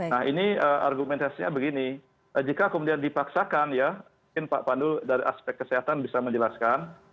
nah ini argumentasinya begini jika kemudian dipaksakan ya mungkin pak pandu dari aspek kesehatan bisa menjelaskan